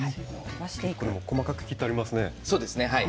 細かく切ってありますね。